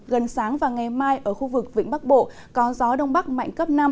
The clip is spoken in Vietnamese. gần sáng và ngày mai ở khu vực vĩnh bắc bộ có gió đông bắc mạnh cấp năm